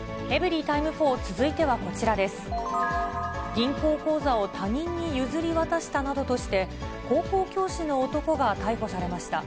銀行口座を他人に譲り渡したなどとして、高校教師の男が逮捕されました。